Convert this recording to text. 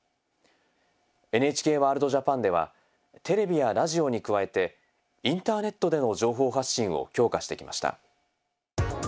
「ＮＨＫワールドＪＡＰＡＮ」ではテレビやラジオに加えてインターネットでの情報発信を強化してきました。